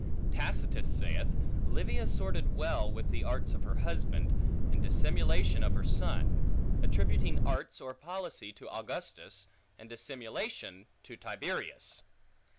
Tacitus saith, Livia sorted well with the arts of her husband, and dissimulation of her son; attributing arts or policy to Augustus, and dissimulation to Tiberius.